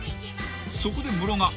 ［そこでムロが］